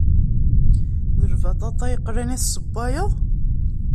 D lbaṭaṭa yeqlan i tessewwayeḍ?